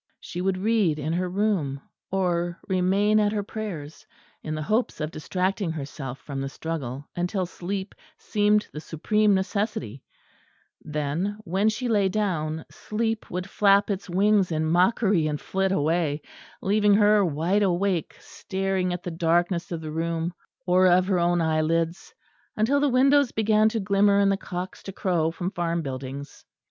She would read in her room, or remain at her prayers, in the hopes of distracting herself from the struggle, until sleep seemed the supreme necessity: then, when she lay down, sleep would flap its wings in mockery and flit away, leaving her wide awake staring at the darkness of the room or of her own eyelids, until the windows began to glimmer and the cocks to crow from farm buildings.